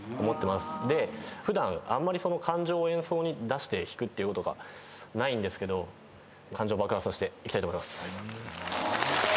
で普段あんまり感情を演奏に出して弾くってことがないんですけど感情を爆発させていきたいと思います。